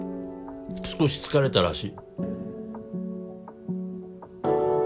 少し疲れたらしい。